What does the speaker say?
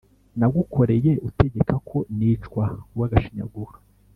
nagukoreye utegeka ko nicwa urw'agashinyaguro".